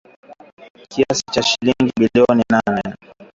Kiasi cha shilingi bilioni nane